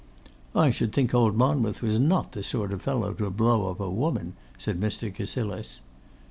'I should think old Monmouth was not the sort of fellow to blow up a woman,' said Mr. Cassilis.